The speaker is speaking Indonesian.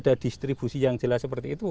ada distribusi yang jelas seperti itu